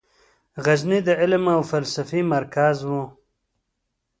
غزني د علم او فلسفې مرکز و.